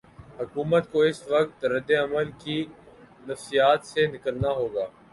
حکومت کو اس وقت رد عمل کی نفسیات سے نکلنا ہو گا۔